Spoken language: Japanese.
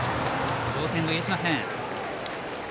同点を許しません。